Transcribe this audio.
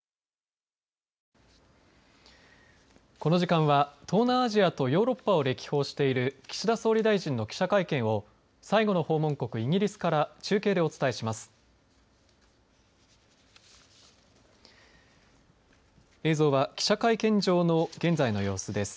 この時間は、東南アジアとヨーロッパを歴訪している、岸田総理大臣の記者会見を、最後の訪問国、イギリスから中継でお伝えします。